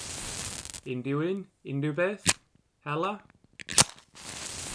Unrhyw un, unrhyw beth? – Hela?